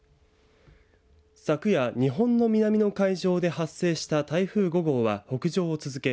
昨夜、日本の南の海上で発生した台風５号は北上を続け